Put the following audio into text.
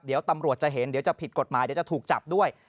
เดี๋ยวตำรวจจะเห็นเดี๋ยวจะผิดกฎหมายเดี๋ยวจะถูกจับด้วย